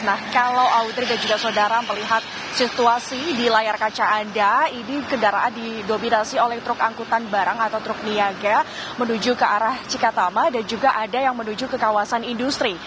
nah kalau autri dan juga saudara melihat situasi di layar kaca anda ini kendaraan didominasi oleh truk angkutan barang atau truk niaga menuju ke arah cikatama dan juga ada yang menuju ke kawasan industri